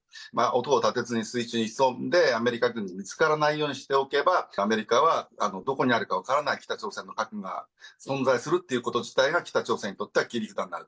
音を立てずに水中に潜んで、アメリカ軍に見つからないようにしておけば、アメリカはどこにあるか分からない、北朝鮮の核が存在するっていうこと自体が北朝鮮にとっては切り札になる。